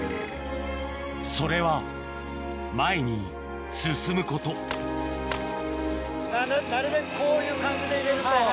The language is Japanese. それは前に進むことなるべくこういう感じで入れると。